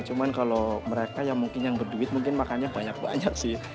cuma kalau mereka yang mungkin yang berduit mungkin makannya banyak banyak sih